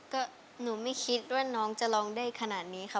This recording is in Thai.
ก็หนูไม่คิดว่าน้องจะร้องได้ขนาดนี้ค่ะ